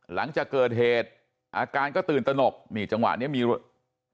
หลังจากเกิดเหตุอาการก็ตื่นตนกนี่จังหวะนี้มีรถ